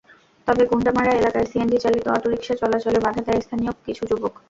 তবে গণ্ডামারা এলাকায় সিএনজিচালিত অটোরিকশা চলাচলে বাধা দেন স্থানীয় কিছু যুবক।